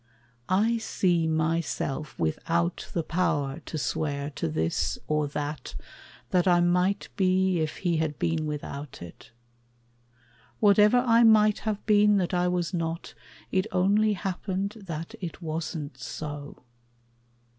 I see myself Without the power to swear to this or that That I might be if he had been without it. Whatever I might have been that I was not, It only happened that it wasn't so.